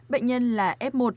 bệnh nhân là f một